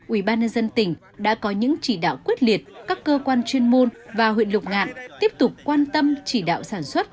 ubnd tỉnh đã có những chỉ đạo quyết liệt các cơ quan chuyên môn và huyện lục ngạn tiếp tục quan tâm chỉ đạo sản xuất